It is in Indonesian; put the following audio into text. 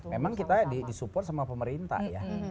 memang kita di support sama pemerintah ya